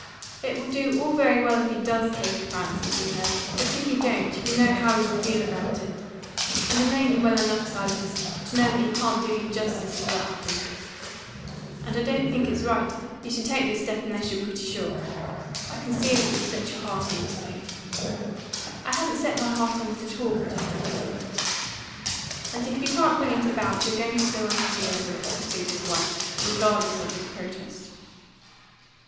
It will do all very well if he DOES take a fancy to her; but if he don't, you know how you'll feel about it. And I know you well enough, Silas, to know that you can't do him justice if that happens. And I don't think it's right you should take this step unless you're pretty sure. I can see that you've set your heart on this thing." "I haven't set my heart on it at all," protested Lapham. "And if you can't bring it about, you're going to feel unhappy over it," pursued his wife, regardless of his protest.